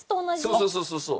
そうそうそうそうそう。